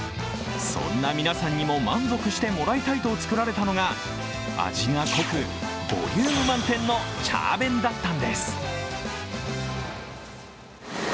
そんな皆さんにも満足してもらいたいと作られたのが、味が濃く、ボリューム満点のチャー弁だったのです。